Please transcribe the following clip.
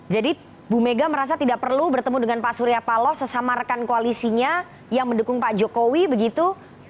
jadi bumega merasa tidak perlu bertemu dengan pak surya palo sesama rekan koalisinya yang mendukung pak jokowi begitu